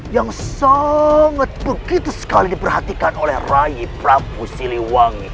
yang sangat begitu sekali diperhatikan oleh ray prabu siliwangi